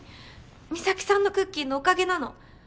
美咲さんのクッキーのおかげなの。